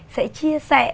sẽ chia sẻ